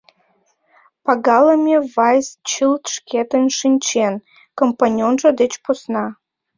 Пагалыме Вайс чылт шкетын шинчен, компаньонжо деч посна.